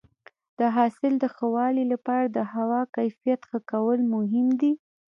د حاصل د ښه والي لپاره د هوا کیفیت ښه کول مهم دي.